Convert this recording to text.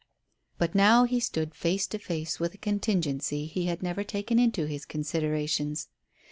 But now he stood face to face with a contingency he had never taken into his considerations.